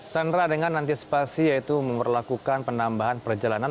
sandra dengan antisipasi yaitu memperlakukan penambahan perjalanan